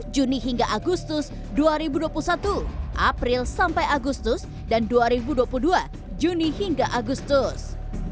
dua puluh juni hingga agustus dua ribu dua puluh satu april sampai agustus dan dua ribu dua puluh dua juni hingga agustus